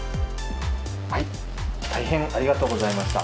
大変ありがとうございました。